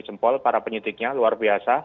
kepala para penyitiknya luar biasa